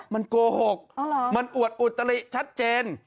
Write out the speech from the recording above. มันโกหกมันอวดอุตลิชัดเจน